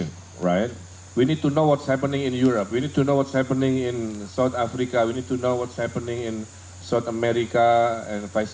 kita perlu tahu apa yang terjadi di eropa kita perlu tahu apa yang terjadi di afrika selatan kita perlu tahu apa yang terjadi di amerika selatan dan sebagainya